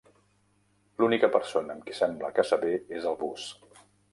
L'única persona amb qui sembla que s'avé és el Buzz.